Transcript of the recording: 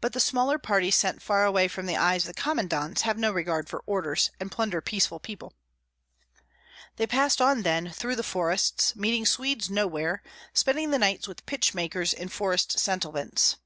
But the smaller parties sent far away from the eyes of commandants have no regard for orders, and plunder peaceful people." They passed on then through the forests, meeting Swedes nowhere, spending the nights with pitch makers in forest settlements.